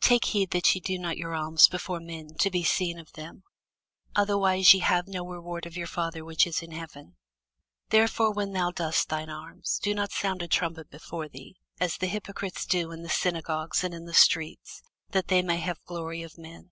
Take heed that ye do not your alms before men, to be seen of them: otherwise ye have no reward of your Father which is in heaven. Therefore when thou doest thine alms, do not sound a trumpet before thee, as the hypocrites do in the synagogues and in the streets, that they may have glory of men.